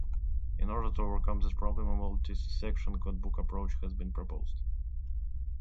In order to overcome this problem a multi-section codebook approach has been proposed.